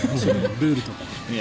ルールとか。